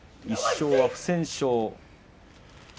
１勝は不戦勝。